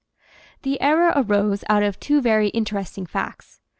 The error arose out of two very interesting facts.